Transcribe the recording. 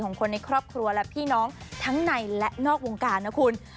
คนในครอบครัวและพี่น้องทั้งในและนอกวงการนะคุณ